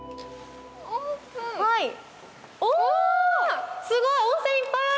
お、すごい、温泉いっぱいある。